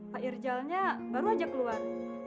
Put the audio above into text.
pak irjalnya baru aja keluar